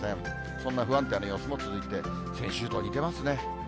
そんな不安定な様子も続いて、先週と似てますね。